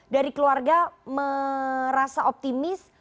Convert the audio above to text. dari keluarga merasa optimis